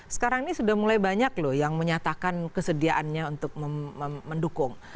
sekarang ini sudah mulai banyak loh yang menyatakan kesediaannya untuk mendukung